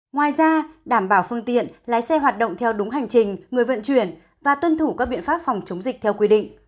ngoài ra đảm bảo phương tiện lái xe hoạt động theo đúng hành trình người vận chuyển và tuân thủ các biện pháp phòng chống dịch theo quy định